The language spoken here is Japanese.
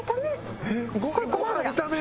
ご飯炒める？